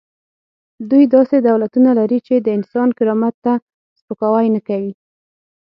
دوی داسې دولتونه لري چې د انسان کرامت ته سپکاوی نه کوي.